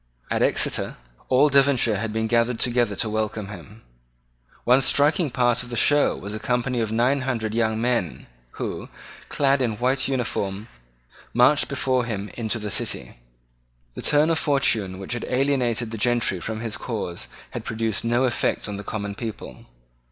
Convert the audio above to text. At Exeter all Devonshire had been gathered together to welcome him. One striking part of the show was a company of nine hundred young men who, clad in a white uniform, marched before him into the city. The turn of fortune which had alienated the gentry from his cause had produced no effect on the common people.